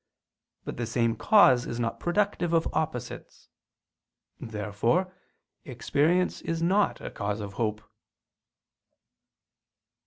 But the same cause is not productive of opposites. Therefore experience is not a cause of hope.